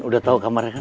udah tau kamarnya kan